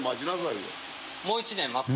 もう一年待って？